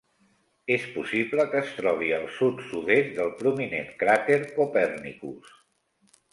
És possible que es trobi al sud-sud-est del prominent cràter Copernicus.